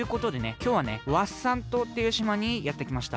きょうはねワッサン島っていうしまにやってきました。